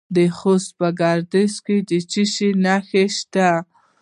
د خوست په ګربز کې څه شی شته؟